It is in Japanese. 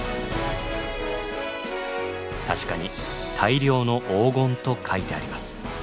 確かに「大量の黄金」と書いてあります。